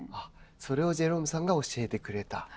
それをジェロームさんが教えてくれた？